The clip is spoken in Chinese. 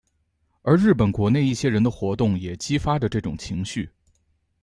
而日本国内一些人的活动也激发着这种情绪。